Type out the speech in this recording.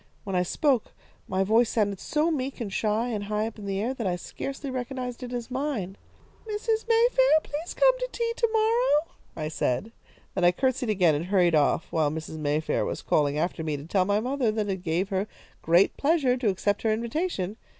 When I spoke, my voice sounded so meek and shy and high up in the air that I scarcely recognised it as mine. "'Mrs. Mayfair, please come to tea to morrow,' I said. Then I courtesied again, and hurried off, while Mrs. Mayfair was calling after me to tell my mother that it gave her great pleasure to accept her invitation.